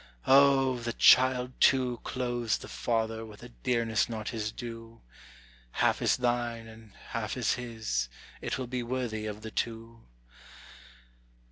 O, the child too clothes the father with a dearness not his due. Half is thine and half is his: it will be worthy of the two.